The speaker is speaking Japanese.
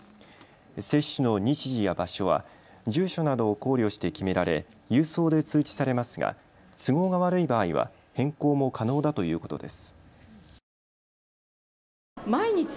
接種の日時や場所は住所などを考慮して決められ郵送で通知されますが都合が悪い場合は変更も可能だということです。